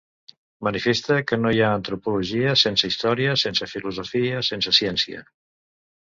Manifesta que no hi ha antropologia sense història, sense filosofia, sense ciència.